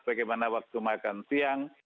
bagaimana waktu makan siang